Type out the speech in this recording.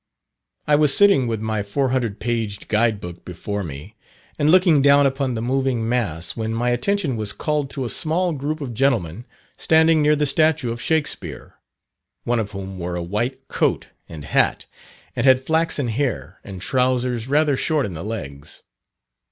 I was sitting with my 400 paged guide book before me, and looking down upon the moving mass, when my attention was called to a small group of gentlemen standing near the statue of Shakspere, one of whom wore a white coat and hat, and had flaxen hair, and trousers rather short in the legs.